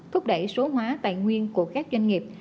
thúc đẩy số hóa tài nguyên của các doanh nghiệp